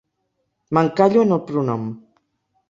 M'encallo en el pronom.